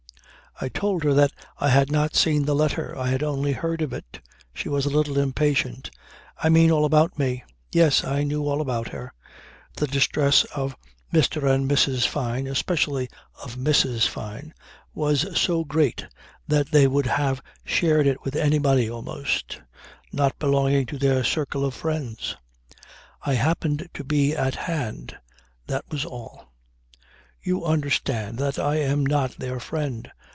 I told her that I had not seen the letter. I had only heard of it. She was a little impatient. "I mean all about me." Yes. I knew all about her. The distress of Mr. and Mrs. Fyne especially of Mrs. Fyne was so great that they would have shared it with anybody almost not belonging to their circle of friends. I happened to be at hand that was all. "You understand that I am not their friend.